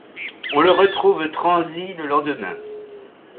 On le retrouve transi le lendemain.